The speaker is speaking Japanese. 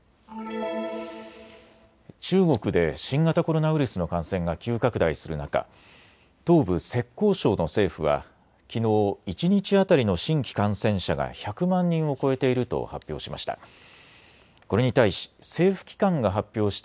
中国で新型コロナウイルスの感染が急拡大する中、東部・浙江省の政府はきのう一日当たりの新規感染者が１００万人を超えていると発表しました。